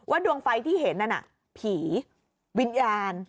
ว่าดวงไฟที่เห็นนั่นผีวิญญาณ